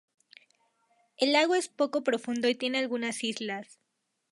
El lago es poco profundo y tiene algunas islas.